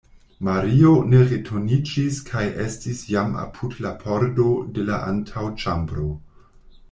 Mario ne returniĝis kaj estis jam apud la pordo de la antaŭĉambro.